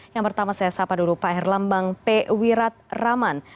yang pertama saya sapa dulu pak herlambang p wirat raman